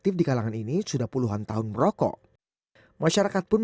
tapi hampir suatu pendidikan selesai di multiplayer ini